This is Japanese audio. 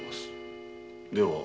では